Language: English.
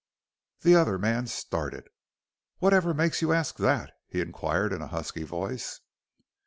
The other man started. "Whatever makes you arsk that?" he inquired in a husky voice.